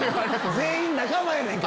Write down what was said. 全員仲間やねん。